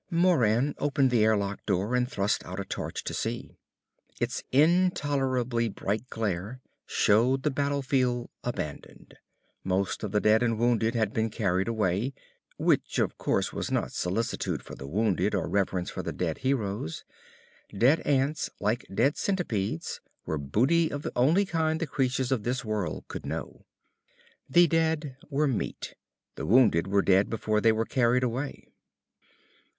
Moran opened the airlock door and thrust out a torch to see. Its intolerably bright glare showed the battlefield abandoned. Most of the dead and wounded had been carried away. Which, of course, was not solicitude for the wounded or reverence for the dead heroes. Dead ants, like dead centipedes, were booty of the only kind the creatures of this world could know. The dead were meat. The wounded were dead before they were carried away.